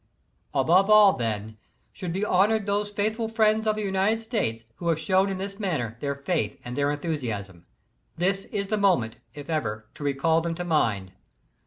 Above all, then, should be honored those faithful friends of the United States, who have shown in this matter their faith and their enthusiasm. This is the mo ment, if ever, to recall them to mind.